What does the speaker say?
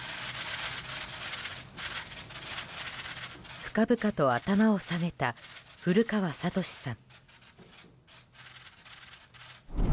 深々と頭を下げた古川聡さん。